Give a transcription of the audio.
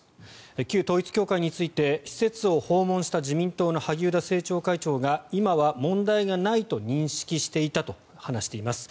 旧統一教会について施設を訪問した自民党の萩生田政調会長が今は問題がないと認識していたと話しています。